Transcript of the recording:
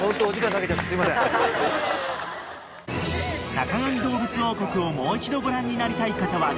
［『坂上どうぶつ王国』をもう一度ご覧になりたい方はＴＶｅｒで］